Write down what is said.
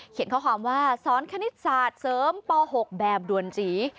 ข้อความว่าสอนคณิตศาสตร์เสริมป๖แบบด่วนจี